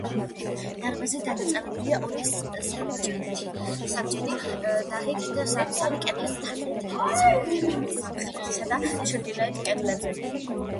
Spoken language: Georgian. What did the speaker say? დარბაზი დანაწევრებულია ორი საბჯენი თაღით და სამ-სამი კედლის თაღით, სამხრეთისა და ჩრდილოეთის კედლებზე.